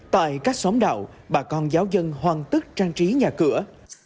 tại các xóm đạo bà con giáo dân hoàn tất trang trí nhà cửa